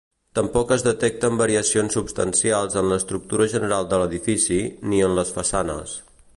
Tampoc es detecten variacions substancials en l'estructura general de l'edifici ni en les façanes.